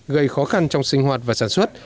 gây khó khăn trong sinh hoạt và sản xuất